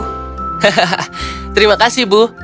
hahaha terima kasih bu